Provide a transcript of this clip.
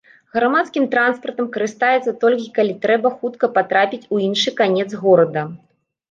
Грамадскім транспартам карыстаецца толькі калі трэба хутка патрапіць у іншы канец горада.